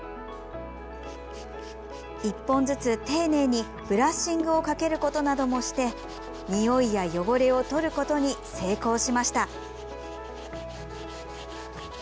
１本ずつ丁寧に、ブラッシングをかけることなどもして臭いや汚れを取ることに成功しました。